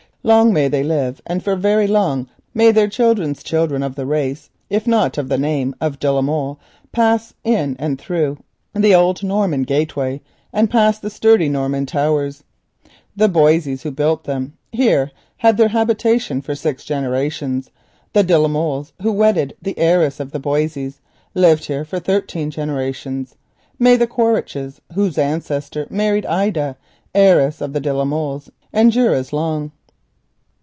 Long may they live, and for very long may their children's children of the race, if not of the name of de la Molle, pass in and out through the old Norman gateway and by the sturdy Norman towers. The Boisseys, who built them, here had their habitation for six generations. The de la Molles who wedded the heiress of the Boisseys lived here for thirteen generations. May the Quaritchs whose ancestor married Ida, heiress of the de la Molles, endure as long!